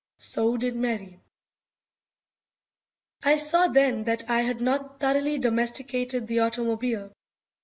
So did Mary. I saw then that I had not thoroughly domesticated the automobile.